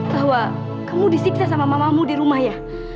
bahwa kamu disiksa sama mamamu di rumah ya